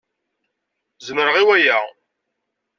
Zemreɣ i waya.